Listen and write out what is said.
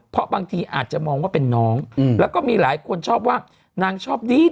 เพราะบางทีอาจจะมองว่าเป็นน้องแล้วก็มีหลายคนชอบว่านางชอบดี